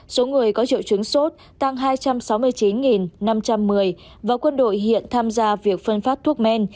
số người có triệu chứng sốt tăng hai trăm sáu mươi chín năm trăm một mươi và quân đội hiện tham gia việc phân phát thuốc men